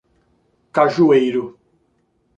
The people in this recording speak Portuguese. Cajueiro